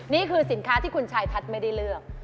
นี่คือสินค้าที่คุณชายทัศน์ไม่ได้เลือก